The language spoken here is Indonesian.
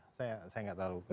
masalah kaitannya dengan aturan